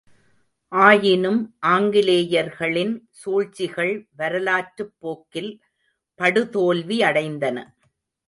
ஆயினும் ஆங்கிலேயர்களின் சூழ்ச்சிகள் வரலாற்றுப் போக்கில் படுதோல்வி அடைந்தன.